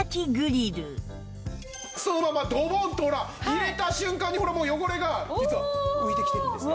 そのままドボンとほら入れた瞬間にほらもう汚れが実は浮いてきてるんですね。